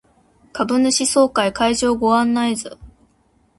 株主総会会場ご案内図